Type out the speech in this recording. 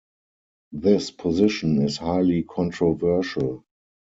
This position is highly controversial.